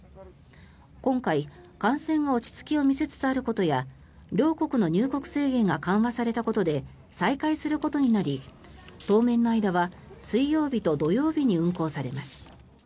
今回、感染が落ち着きを見せつつあることや両国の入国制限が緩和されたことで再開することになり当面の間は水曜日と土曜日に運航されます。